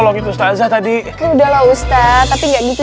kamu tuh kalau jadi orang tuh nyebelir banget